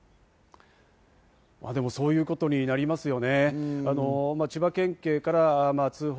まぁ、でもそういうことになりますよね。